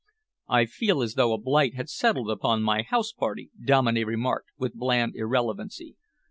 "I feel as though a blight had settled upon my house party," Dominey remarked with bland irrelevancy.